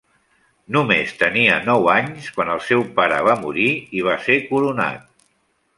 Només tenia nou anys quan el seu pare va morir i va ser coronat.